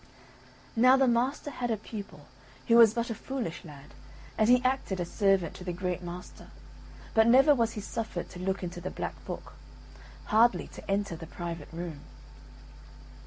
Now the master had a pupil who was but a foolish lad, and he acted as servant to the great master, but never was he suffered to look into the black book, hardly to enter the private room.